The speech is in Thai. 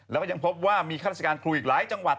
แล้วก็ยังพบว่ามีข้าราชการครูอีกหลายจังหวัด